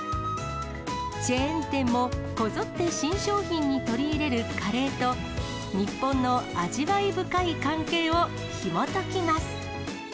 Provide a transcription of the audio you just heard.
チェーン店もこぞって新商品に取り入れるカレーと、日本の味わい深い関係をひもときます。